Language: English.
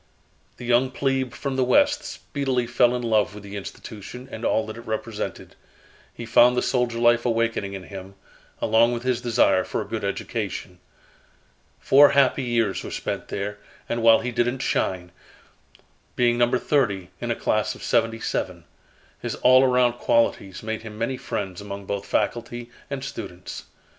The young plebe from the West speedily fell in love with the institution and all that it represented. He found the soldier life awakening in him, along with his desire for a good education. Four happy years were spent there and while he didn't shine, being number thirty in a class of seventy seven, his all around qualities made him many friends among both faculty and students.